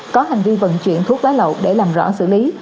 có hành vi vận chuyển thuốc lá lậu để làm rõ xử lý